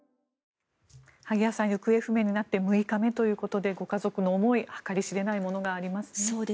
萩谷さん行方不明になって６日目ということでご家族の思い計り知れないものがありますね。